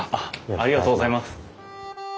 ありがとうございます。